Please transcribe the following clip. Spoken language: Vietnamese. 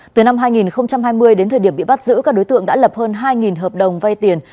từ năm hai nghìn hai mươi đến thời điểm bị bắt giữ các đối tượng đã lập hơn hai hợp đồng vay tiền